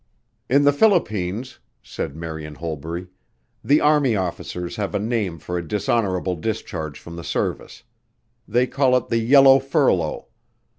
"In the Philippines," said Marian Holbury, "the army officers have a name for a dishonorable discharge from the service. They call it the 'yellow furlough.'